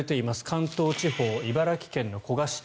関東地方、茨城県の古河市。